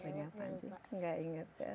iya enggak ingat